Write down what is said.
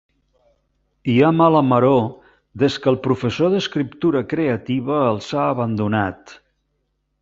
Hi ha mala maror des que el professor d'escriptura creativa els ha abandonat.